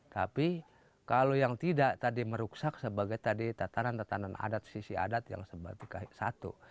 tapi kalau yang tidak tadi merusak sebagai tadi tatanan tatanan adat sisi adat yang satu